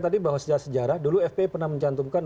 tadi bahwa sejarah sejarah dulu fpi pernah mencantumkan